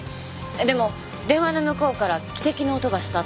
でも電話の向こうから汽笛の音がしたって。